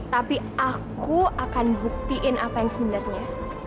tapi aku akan buktiin apa yang sebenarnya